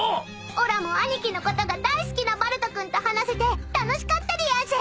おらも兄貴のことが大好きなバルト君と話せて楽しかったでやんす。